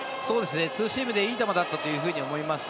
ツーシームでいい球だったと思います。